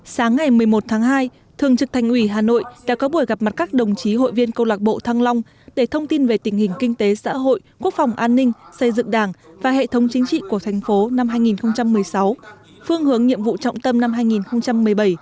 sáng ngày một mươi một tháng hai thường trực thành ủy hà nội đã có buổi gặp mặt các đồng chí hội viên câu lạc bộ thăng long để thông tin về tình hình kinh tế xã hội quốc phòng an ninh xây dựng đảng và hệ thống chính trị của thành phố năm hai nghìn một mươi sáu phương hướng nhiệm vụ trọng tâm năm hai nghìn một mươi bảy